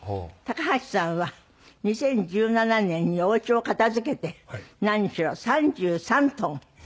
高橋さんは２０１７年にお家を片付けて何しろ３３トン。